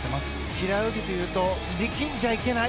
平泳ぎというと力んじゃいけない。